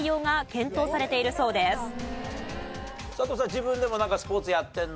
自分でもなんかスポーツやってるの？